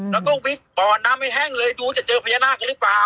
แล้วก็วิกบ่อน้ำให้แห้งเลยดูจะเจอพญานาคหรือเปล่า